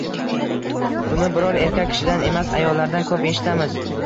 Buni biror erkak kishidan emas, ayollardan ko`p eshitamiz